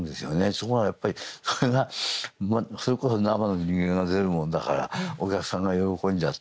そこがやっぱりそれがそれこそ生の人間が出るもんだからお客さんが喜んじゃって。